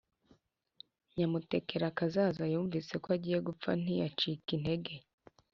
nyamutegerakazaza yumvise ko agiye gupfa ntiyacika intege